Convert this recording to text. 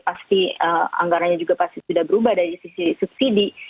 pasti anggaranya juga sudah berubah dari sisi subsidi